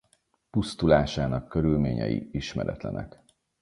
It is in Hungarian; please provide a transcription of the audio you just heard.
Pusztulásának körülményei ismeretlenek.